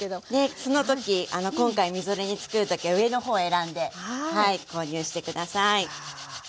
その時今回みぞれ煮つくる時は上の方選んで購入して下さい。